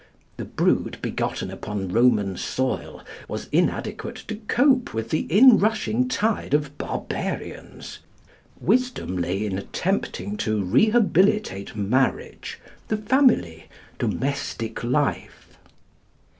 The brood begotten upon Roman soil was inadequate to cope with the inrushing tide of barbarians. Wisdom lay in attempting to rehabilitate marriage, the family domestic life.